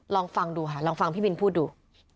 ลองฟังดูค่ะลองฟังพี่บินพูดดู